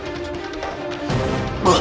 kau tidak bisa menang